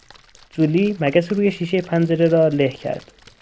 جولی مگس روی شیشهی پنجره را له کرد.